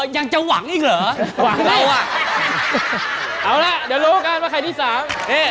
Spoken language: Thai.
ยังนะยัง